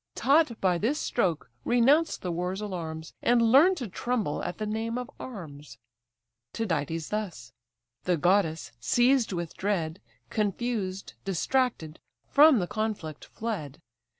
Taught by this stroke renounce the war's alarms, And learn to tremble at the name of arms." Tydides thus. The goddess, seized with dread, Confused, distracted, from the conflict fled.